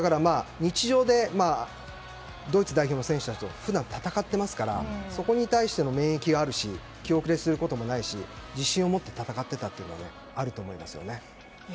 日常でドイツ代表の選手たちと普段戦っていますからそこに対しての免疫がありますし気後れすることもないし自信を持って戦っていたのはあると思います。